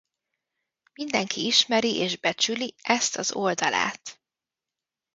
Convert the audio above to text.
Mindenki ismeri és becsüli ezt az oldalát.